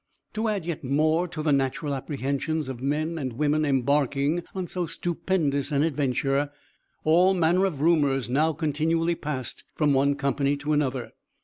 To add yet more to the natural apprehensions of men and women embarking on so stupendous an adventure, all manner of rumors now continually passed from one company to another.